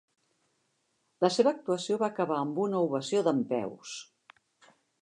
La seva actuació va acabar amb una ovació dempeus.